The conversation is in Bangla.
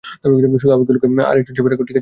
শুধু আবেগগুলোকে আর একটু চেপে রাখ, ঠিক আছে?